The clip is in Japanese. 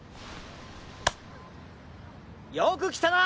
よく来たな！